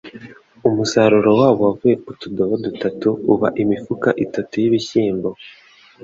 umusaruro wabo wavuye ku tudobo dutatu uba imifuka itatuy'ibishyimbo.